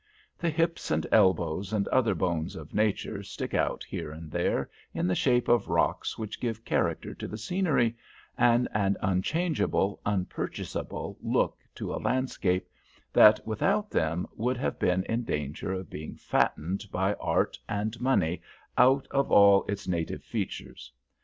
The hips and elbows and other bones of Nature stick out here and there in the shape of rocks which give character to the scenery, and an unchangeable, unpurchasable look to a landscape that without them would have been in danger of being fattened by art and money out of all its native features.